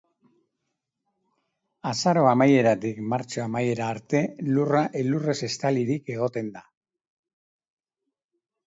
Azaro amaieratik martxo amaiera arte lurra elurrez estalirik egoten da.